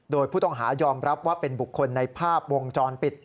โดยผู้ต้องหายอมรับว่าเป็นบุคคลในภาพวงจรปิด